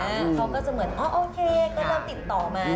เขาก็จะเหมือนอ๋อโอเคก็เราติดต่อมา